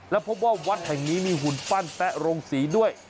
แล้วพบว่าวัดแห่งนี้มีหุ่นปั้นแป๊ะโรงศรีด้วย